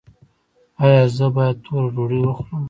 ایا زه باید توره ډوډۍ وخورم؟